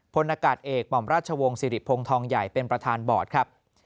พลอากาศเอกหม่อมราชวงศ์สิริพงศ์ทองใหญ่เป็นประธานบอร์ดครับ